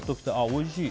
おいしい。